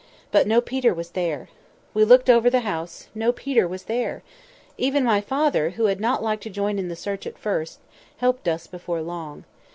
But no Peter was there. We looked over the house; no Peter was there! Even my father, who had not liked to join in the search at first, helped us before long.